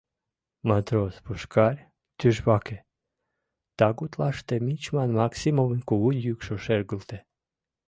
— Матрос Пушкарь, тӱжваке! — тыгутлаште мичман Максимовын кугу йӱкшӧ шергылте.